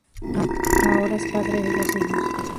Ahora es padre de dos hijos.